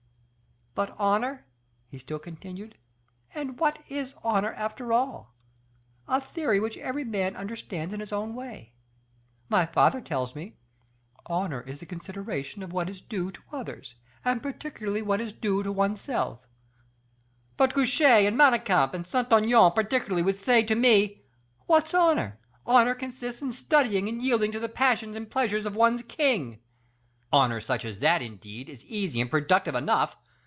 But honor?" he still continued, "and what is honor after all? A theory which every man understands in his own way. My father tells me: 'Honor is the consideration of what is due to others, and particularly what is due to oneself.' But Guiche, and Manicamp, and Saint Aignan particularly, would say to me: 'What's honor? Honor consists in studying and yielding to the passions and pleasures of one's king.' Honor such as that indeed, is easy and productive enough.